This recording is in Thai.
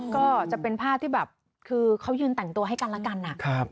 ก็จะเป็นภาพที่แบบคือเขายืนแต่งตัวให้กันแล้วกันอะ